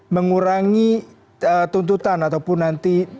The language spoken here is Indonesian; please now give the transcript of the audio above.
mengurangi tuntutan ataupun nanti